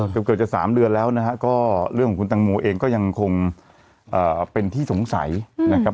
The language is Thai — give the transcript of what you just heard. เกือบจะ๓เดือนแล้วนะฮะก็เรื่องของคุณตังโมเองก็ยังคงเป็นที่สงสัยนะครับ